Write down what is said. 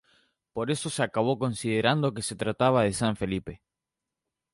Por eso se acabó considerando que se trata de san Felipe.